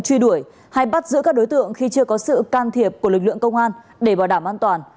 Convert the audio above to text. truy đuổi hay bắt giữ các đối tượng khi chưa có sự can thiệp của lực lượng công an để bảo đảm an toàn